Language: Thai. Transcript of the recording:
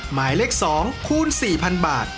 หมายเลข๒คูณ๔๐๐๐บาท